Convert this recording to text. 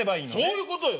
そういうことよ。